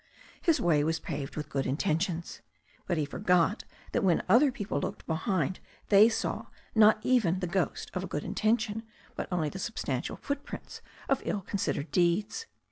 His way was paved with good intentions. But he forgot that when other people looked behind they saw not even the ghost of a good intention, but only the sub stantial footprints of ill considered deeds.